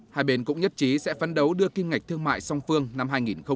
hai bên cũng nhất trí sẽ phấn đấu đưa kim ngạch thương mại song phương năm hai nghìn hai mươi